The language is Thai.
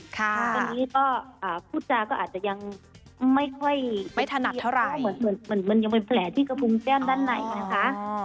ตอนนี้ก็ผู้จาก็อาจจะยังไม่ทันัดเท่าไหร่มันยังเป็นแผลที่กระพุงแจ้งด้านในนะคะ